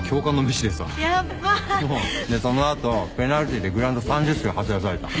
その後ペナルティーでグラウンド３０周走らされた。